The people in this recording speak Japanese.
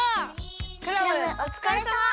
クラムおつかれさま！